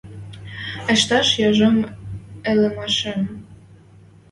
Ӹштӓш яжом ӹлӹмӓшӹм